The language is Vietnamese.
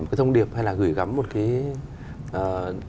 gửi thông điệp hay là gửi gắm một cái